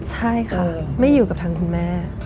ใช่ค่ะไม่อยู่กับทางคุณแม่